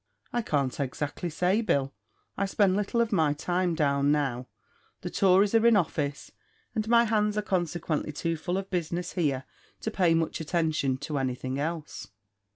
"I can't exactly say, Bill; I spend little of my time down now; the Tories are in office, and my hands are consequently too full of business here to pay much attention to anything else."